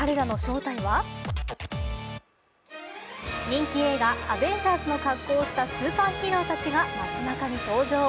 人気映画「アベンジャーズ」の格好をしたスーパーヒーローたちが街なかに登場。